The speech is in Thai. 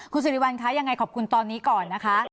คุณสิริวัลคะยังไงขอบคุณตอนนี้ก่อนนะคะ